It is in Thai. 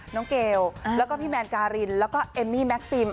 เกลแล้วก็พี่แมนการินแล้วก็เอมมี่แม็กซิม